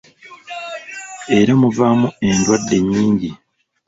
Era muvaamu endwadde ennyingi.